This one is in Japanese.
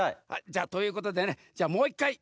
じゃということでねじゃあもう１かい